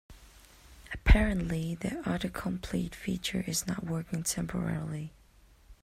Apparently, the autocomplete feature is not working temporarily.